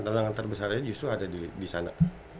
tantangan terbesarnya justru ada di sana